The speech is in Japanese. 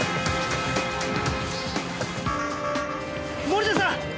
森田さん！